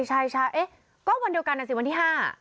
ใช่เอ๊ะก็วันเดียวกันนะสิวันที่๕